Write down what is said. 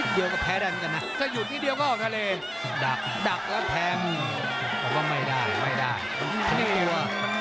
แต่ว่าถ้ายุดนิดเดียวก็แพ้ด้วยนะ